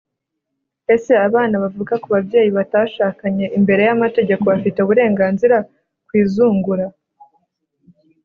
ese abana bavuka ku babyeyi batashakanye imbere y’amategako bafite uburenganzira ku izungura?